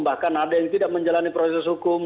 bahkan ada yang tidak menjalani proses hukum